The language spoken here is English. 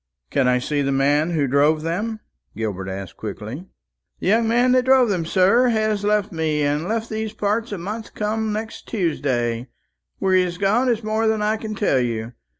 "Can I see the man who drove them?" Gilbert asked quickly. "The young man that drove them, sir, has left me, and has left these parts a month come next Tuesday. Where he has gone is more than I can tell you.